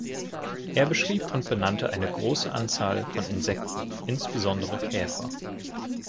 Er beschrieb und benannte eine große Anzahl von Insekten, insbesondere Käfer.